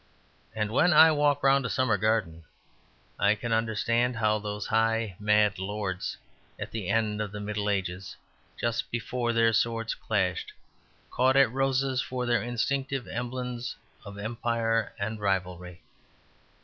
And when I walk round a summer garden, I can understand how those high mad lords at the end of the Middle Ages, just before their swords clashed, caught at roses for their instinctive emblems of empire and rivalry.